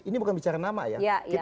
ini bukan bicara tentang masyarakat